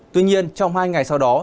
tuy nhiên trong hai ngày sau đó